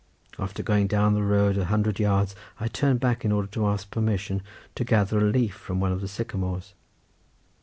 After going down the road a hundred yards I turned back in order to ask permission to gather a leaf from one of the sycamores.